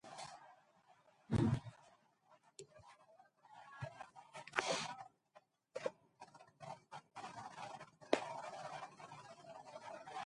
He commissioned, premiered and recorded "Aztec Ceremonies" for contrabassoon by Graham Waterhouse.